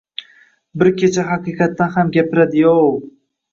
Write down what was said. Bir kecha haqiqatan ham gapirdi-yov!